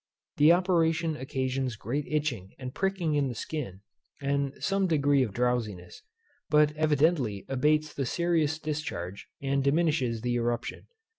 The operation occasions great itching and pricking in the skin, and some degree of drowsiness, but evidently abates the serous discharge, and diminishes the eruption.